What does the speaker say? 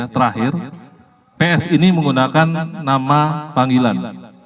terakhir ps ini menggunakan nama panggilan